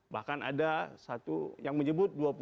bahkan ada satu yang menyebut